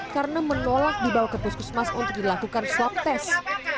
karena menolak dibawa ke puskusmas untuk dilakukan swab test